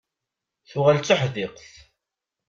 Tuɣal d tuḥdiqt.